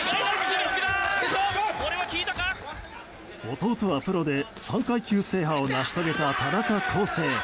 弟はプロで３階級制覇を成し遂げた田中恒成。